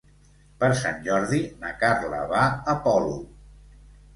Per Sant Jordi na Carla va a Polop.